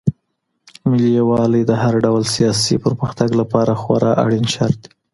ملي يووالی د هر ډول سياسي پرمختګ لپاره خورا اړين شرط دی.